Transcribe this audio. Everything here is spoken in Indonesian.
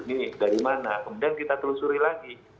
ini dari mana kemudian kita telusuri lagi